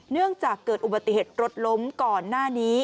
เนื่องจากเกิดอุบัติเหตุรถล้มก่อนหน้านี้